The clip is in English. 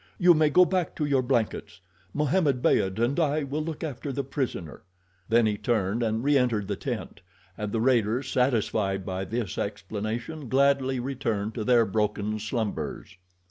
You may go back to your blankets. Mohammed Beyd and I will look after the prisoner;" then he turned and re entered the tent, and the raiders, satisfied by this explanation, gladly returned to their broken slumbers.